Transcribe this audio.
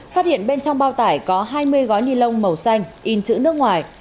phát hiện bên trong bao tải có hai mươi gói nilông màu xanh in chữ nước ngoài